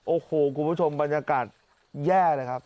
โอ้โหคุณผู้ชมบรรยากาศแย่เลยครับ